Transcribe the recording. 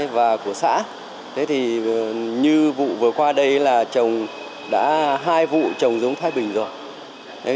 và của xã như vụ vừa qua đây là trồng đã hai vụ trồng giống thai bình rồi